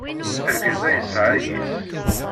Argaz-a yesɛa ayis.